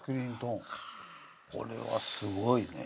これはすごいね。